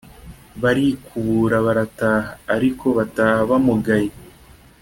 Barikubura barataha; ariko bataha bamugaye.